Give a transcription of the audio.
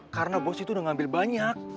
karena bos itu udah ngambil banyak